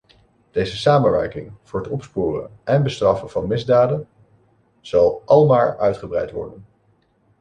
Deze samenwerking voor het opsporen en bestraffen van misdaden zal almaar uitgebreid worden.